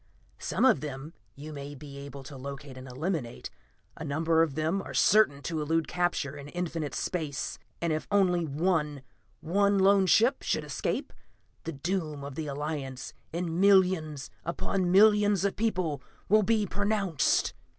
Some of them you may be able to locate and eliminate; a number of them are certain to elude capture in infinite space and if only one, one lone ship, should escape, the doom of the Alliance and millions upon millions of people will be pronounced.